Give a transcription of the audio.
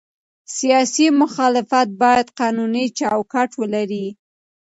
سیاسي مخالفت باید قانوني چوکاټ ولري